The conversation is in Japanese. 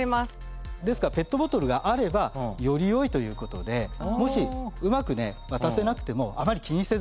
ですからペットボトルがあればよりよいということでもしうまくね渡せなくてもあまり気にせずに。